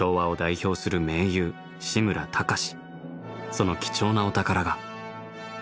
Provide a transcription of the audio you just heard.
その貴重なお宝が。